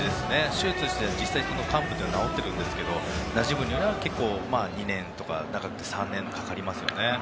手術をして実際、患部は治ってくるんですけどなじむまでは２年とか、長くて３年かかりますよね。